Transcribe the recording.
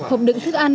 hộp đựng thức ăn